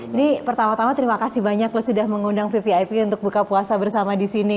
ini pertama tama terima kasih banyak loh sudah mengundang vvip untuk buka puasa bersama di sini